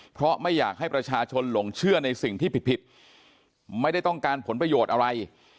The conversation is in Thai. เพราะไม่อยากให้ประชาชนหลงเชื่อในสิ่งที่ผิดไม่ได้ต้องการผลประโยชน์อะไร